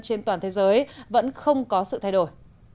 trên toàn thế giới vẫn không có sự thay đổi